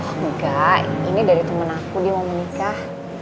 enggak ini dari temen aku dia mau menikah